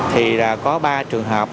thì có ba trường hợp